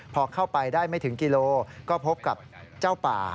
พอเข้าไปได้ไม่ถึงกิโลก็พบกับเจ้าป่า